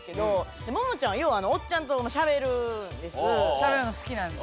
しゃべるの好きなんです。